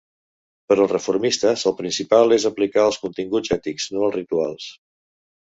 Per als reformistes, el principal és aplicar els continguts ètics, no els rituals.